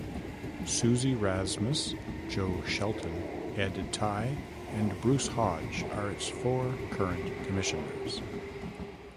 Suzie Razmus, Joe Shelton, Ed Tye, and Bruce Hodge are its four current Commissioners.